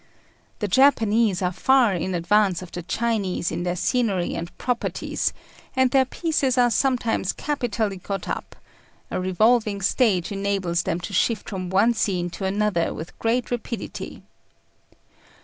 The Japanese are far in advance of the Chinese in their scenery and properties, and their pieces are sometimes capitally got up: a revolving stage enables them to shift from one scene to another with great rapidity.